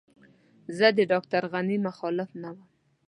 زه د ډاکټر غني مخالف نه وم.